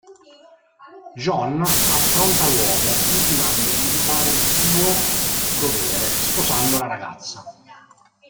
John affronta l'uomo, intimandogli di fare il suo dovere sposando la ragazza.